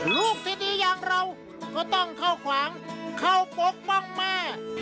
ลูกที่ดีอย่างเราก็ต้องเข้าขวางเข้าปกป้องแม่